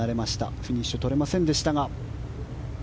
フィニッシュ撮れませんでしたが。